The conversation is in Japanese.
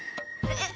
⁉えっ？